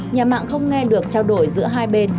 nhà mạng không nghe được trao đổi giữa hai bên